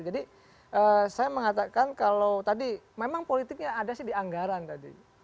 jadi saya mengatakan kalau tadi memang politiknya ada sih di anggaran tadi